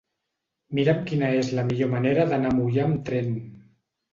Mira'm quina és la millor manera d'anar a Moià amb tren.